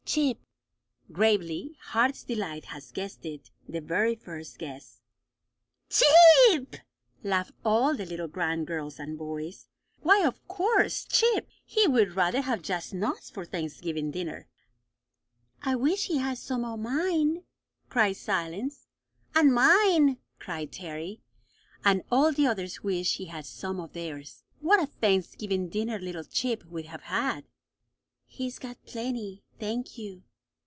"Chip," gravely. Heart's Delight had guessed it the very first guess. "Chip!" laughed all the little grand girls and boys. Why, of course! Chip! He would rather have just nuts for Thanksgiving dinner! "I wish he had some o' mine!" cried Silence. "An' mine!" cried Terry; and all the others wished he had some of theirs. What a Thanksgiving dinner little Chip would have had! "He's got plenty, thank you."